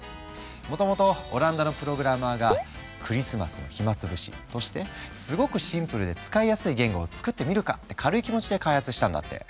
もともとオランダのプログラマーがクリスマスの暇潰しとしてすごくシンプルで使いやすい言語を作ってみるかって軽い気持ちで開発したんだって。